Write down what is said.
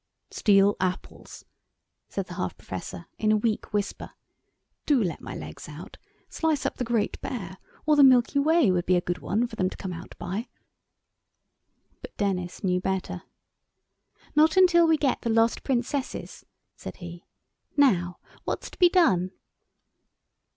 "Steal apples," said the half Professor in a weak whisper. "Do let my legs out. Slice up the Great Bear—or the Milky Way would be a good one for them to come out by." But Denis knew better. "Not till we get the lost Princesses," said he, "now, what's to be done?"